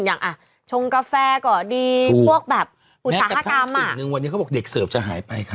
อย่างอ่ะชงกาแฟก็ดีพวกแบบอุตสาหกรรมสิ่งหนึ่งวันนี้เขาบอกเด็กเสิร์ฟจะหายไปค่ะ